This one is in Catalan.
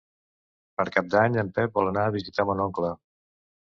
Per Cap d'Any en Pep vol anar a visitar mon oncle.